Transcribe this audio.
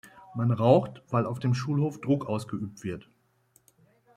Man raucht, weil auf dem Schulhof Druck ausgeübt wird.